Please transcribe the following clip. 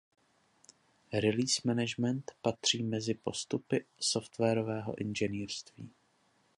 Release management patří mezi postupy softwarového inženýrství.